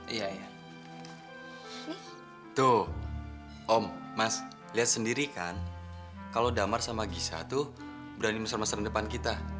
iya tuh om mas lihat sendiri kan kalau damar sama giza tuh berani mesra mesra depan kita